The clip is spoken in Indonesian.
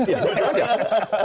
iya benar saja